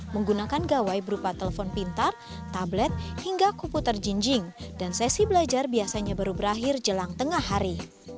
menggunakan gawai berupa telepon pintar tablet hingga komputer jinjing dan sesi belajar biasanya baru berakhir jelang tengah hari